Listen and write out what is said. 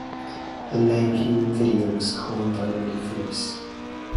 The name "human video" was coined by Randy Phillips.